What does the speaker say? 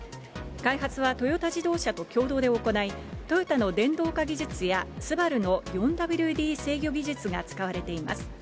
開発はトヨタ自動車と共同で行い、トヨタの電動化技術やＳＵＢＡＲＵの４ＷＤ制御技術が使われています。